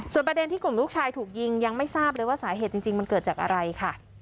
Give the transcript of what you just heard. ประเด็นที่กลุ่มลูกชายถูกยิงยังไม่ทราบเลยว่าสาเหตุจริงมันเกิดจากอะไรค่ะ